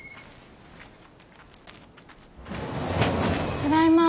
ただいま。